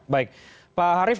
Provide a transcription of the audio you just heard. baik pak harif